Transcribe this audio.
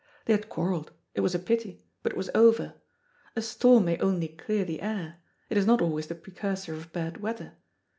They had quarrelled, it was a pity, but it was over. A storm may only clear the air; it is not always the precursor of bad weather.